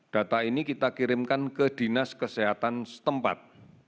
data ini kita kirimkan ke dinas kesehatan setempat